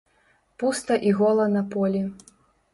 Пуста і гола на полі.